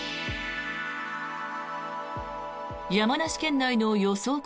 山梨県内の予想